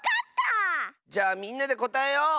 じゃあみんなでこたえよう！